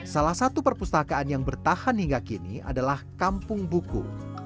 salah satu perpustakaan yang bertahan hingga kini adalah kampung buku